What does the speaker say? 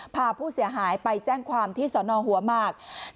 พาผู้เสียหายไปแจ้งความที่สนหัวหมาก